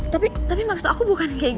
tapi maksud aku bukan kayak gitu